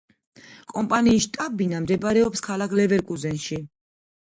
კომპანიის შტაბ-ბინა მდებარეობს ქალაქ ლევერკუზენში.